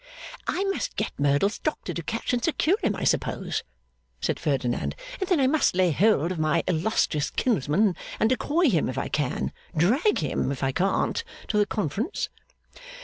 'I must get Merdle's doctor to catch and secure him, I suppose,' said Ferdinand; 'and then I must lay hold of my illustrious kinsman, and decoy him if I can drag him if I can't to the conference.